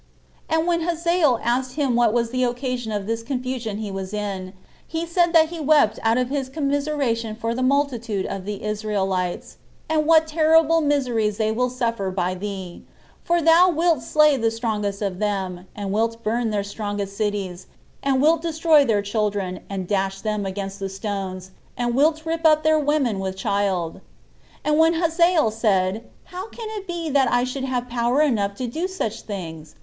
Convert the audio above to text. And when Hazael asked him what was the occasion of this confusion he was in, he said that he wept out of his commiseration for the multitude of the Israelites, and what terrible miseries they will suffer by thee; "for thou wilt slay the strongest of them, and wilt burn their strongest cities, and wilt destroy their children, and dash them against the stones, and wilt rip up their women with child." And when Hazael said, "How can it be that I should have power enough to do such things?"